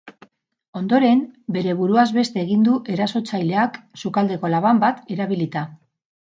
Ondoren, bere buruaz beste egin du erasotzaileak, sukaldeko laban bat erabilita.